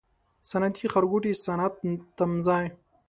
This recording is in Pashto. صنعتي ښارګوټی، صنعتي تمځای